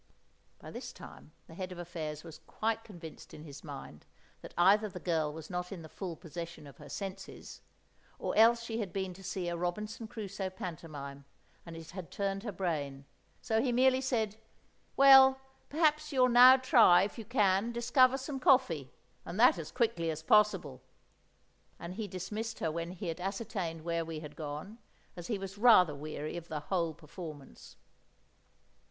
_" By this time the Head of Affairs was quite convinced in his mind that either the girl was not in the full possession of her senses, or else she had been to see a Robinson Crusoe pantomime, and it had turned her brain, so he merely said— "Well, perhaps you'll now try if you can discover some coffee, and that as quickly as possible." And he dismissed her when he had ascertained where we had gone, as he was rather weary of the whole performance.